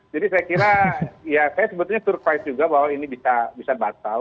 jadi saya kira ya saya sebetulnya surprise juga bahwa ini bisa batal